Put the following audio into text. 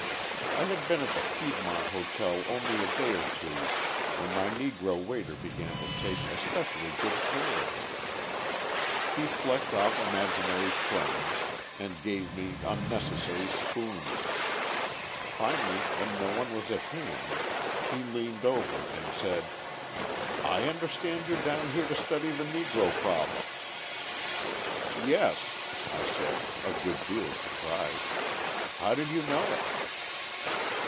I had been at the Piedmont Hotel only a day or two when my Negro waiter began to take especially good care of me. He flecked off imaginary crumbs and gave me unnecessary spoons. Finally, when no one was at hand, he leaned over and said: "I understand you're down here to study the Negro problem." "Yes," I said, a good deal surprised. "How did you know it?"